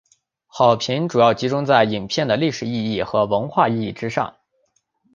好评主要集中在影片的历史意义和文化意义之上。